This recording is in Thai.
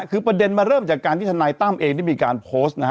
คือประเด็นมาเริ่มจากการที่ทนายตั้มเองได้มีการโพสต์นะฮะ